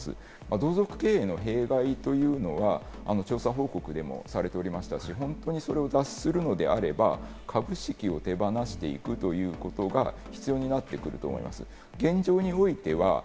同族経営の弊害というのは、調査報告でもされておりましたし、それを脱するのであれば株式を手放していくということが必要になっていくと思います。